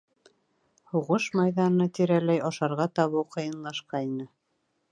Һуғыш майҙаны тирәләй ашарға табыу ҡыйынлашҡайны.